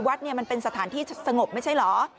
วัดเนี่ยมันเป็นสถานที่สงบไม่ใช่เหรอ